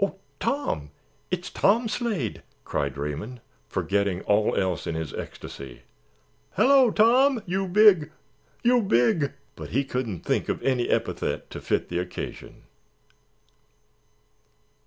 "Oh, Tom! It's Tom Slade!" cried Raymond, forgetting all else in his ecstasy. "Hello, Tom, you big—you big——" But he couldn't think of any epithet to fit the occasion.